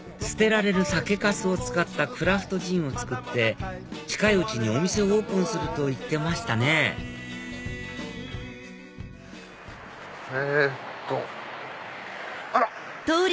捨てられる酒かすを使ったクラフトジンを造って近いうちにお店をオープンすると言ってましたねえっと。